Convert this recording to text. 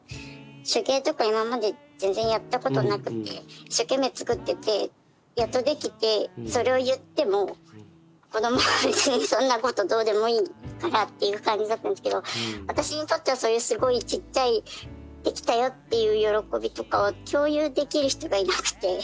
手芸とか今まで全然やったことなくて一生懸命つくっててやっとできてそれを言っても子どもは別にそんなことどうでもいいからっていう感じだったんですけど私にとってはそういうすごいちっちゃい出来たよっていう喜びとかを共有できる人がいなくて。